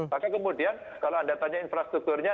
maka kemudian kalau anda tanya infrastrukturnya